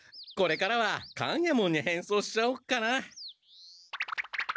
これからは勘右衛門に変装しちゃおうかな。